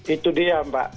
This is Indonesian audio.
itu dia mbak